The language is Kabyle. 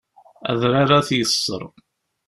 Adrar ad t-yeṣṣer.